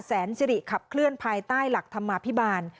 แสนสิริขับเคลื่อนภายใต้หลักธรรมาภิบาล